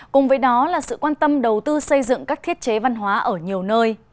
cùng với đó là sự quan tâm đầu tư xây dựng các thiết chế văn hóa ở nhiều nơi